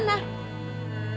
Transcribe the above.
tete mau ke rumah